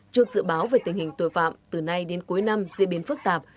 trước dự báo về tình hình tội phạm từ nay đến cuối năm diễn biến phức tạp